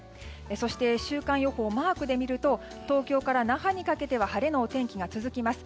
そして、週間予報をマークで見ると東京から那覇にかけては晴れのお天気が続きます。